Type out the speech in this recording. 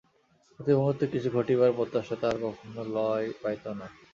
প্রতিমুহূর্তে কিছু ঘটিবার প্রত্যাশা তাহার কখনো লয় পাইত না।